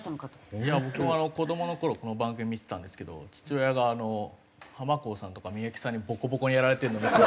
いや僕も子どもの頃この番組見てたんですけど父親があのハマコーさんとか三宅さんにボコボコにやられてるのを。